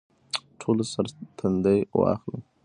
ټولو سر تندی واهه.